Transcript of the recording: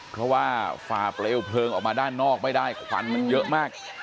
เพราะว่าฝ่าเปลวเพลิงออกมาด้านนอกไม่ได้ควันมันเยอะมาก